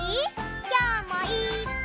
きょうもいっぱい。